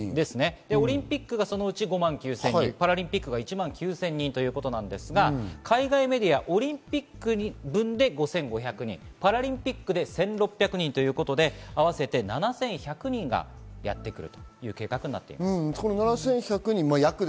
オリンピックがそのうち５万９０００人、パラリンピックが１万９０００人ですが、海外メディア、オリンピック分で５５００人、パラリンピックで１６００人ということで合わせて７７００人がやってくるという結果となっています。